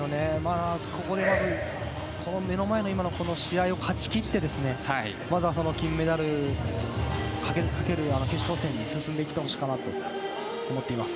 まず目の前の試合を勝ち切ってまずは金メダルをかける決勝戦に進んでいくのかなと思っています。